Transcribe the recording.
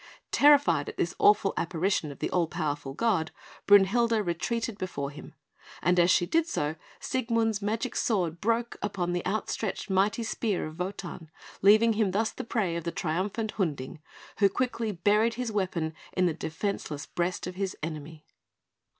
Terrified at this awful apparition of the all powerful god, Brünhilde retreated before him; and as she did so, Siegmund's magic sword broke upon the outstretched mighty spear of Wotan, leaving him thus the prey of the triumphant Hunding, who quickly buried his weapon in the defenceless breast of his enemy.